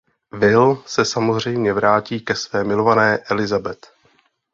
Will se samozřejmě vrátí ke své milované Elizabeth.